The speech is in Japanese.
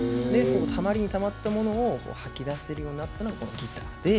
たまりにたまったものを吐き出せるようになったのがギターで。